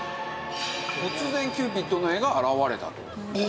突然キューピッドの絵が現れた。